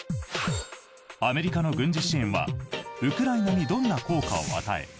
アメリカの軍事支援はウクライナにどんな効果を与え